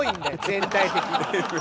全体的に。